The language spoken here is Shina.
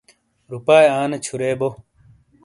روپاۓ آنے چھُرے بو۔